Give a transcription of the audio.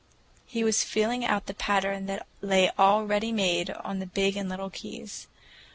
He was feeling out the pattern that lay all ready made on the big and little keys.